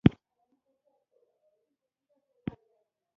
ولې د لوېدیځې اروپا هېوادونو اقتصادي وده تجربه کړه.